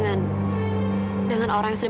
ada apa zahira